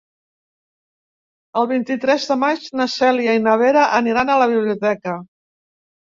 El vint-i-tres de maig na Cèlia i na Vera aniran a la biblioteca.